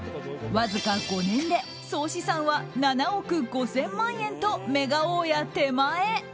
わずか５年で総資産は７億５０００万円とメガ大家手前。